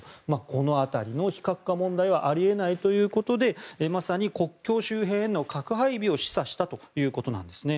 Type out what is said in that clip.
この辺りの非核化問題はあり得ないということでまさに国境周辺への核配備を示唆したということです。